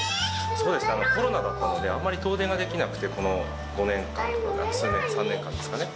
そうですね、コロナだったので、あまり遠出ができなくて、この５年間っていうか、３年間ですかね。